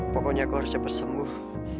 pokoknya kau harus cepat sembuh